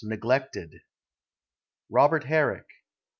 neglected. ROBERT HERRICK.